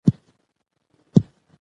چاپیریال مه ککړوئ.